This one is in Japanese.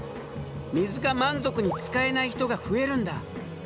水が満足に使えない人が増えるんだ。